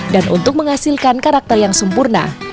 dan untuk menghasilkan karakter yang sempurna